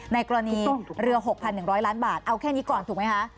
ในกรณีเรือ๖๑๐๐ล้านบาทเอาแค่นี้ก่อนถูกไหมคะ